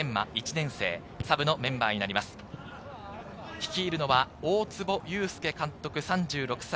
率いるのは大坪裕典監督３６歳。